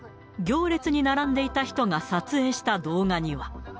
行列に並んでいた人が撮影した動画には。